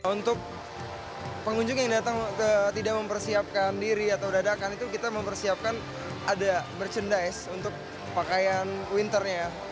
untuk pengunjung yang datang tidak mempersiapkan diri atau dadakan itu kita mempersiapkan ada merchandise untuk pakaian winternya